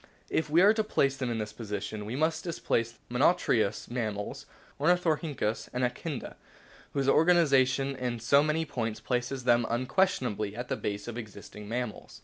If we are to place them in this position we must displace the monotrematous mammals (Ornithorhynchus and Echidna), whose organisation in so many points places them un questionably at the base of the existing mammals.